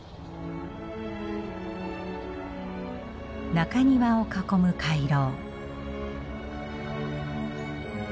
中庭を囲む回廊。